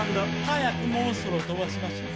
早くモンストロを飛ばしましょ。